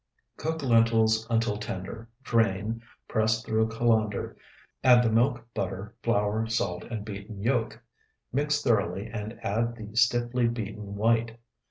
Cook lentils until tender, drain, press through a colander, add the milk, butter, flour, salt, and beaten yolk. Mix thoroughly and add the stiffly beaten white.